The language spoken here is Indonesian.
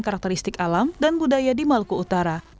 karakteristik alam dan budaya di maluku utara